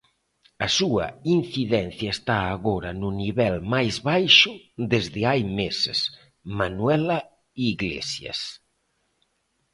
A súa incidencia está agora no nivel máis baixo desde hai meses, Manuela Iglesias.